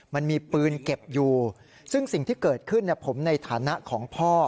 มันมีปืนเก็บอยู่ซึ่งสิ่งที่เกิดขึ้นผมในฐานะของพ่อ